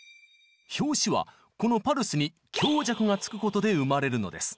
「拍子」はこのパルスに強弱がつくことで生まれるのです。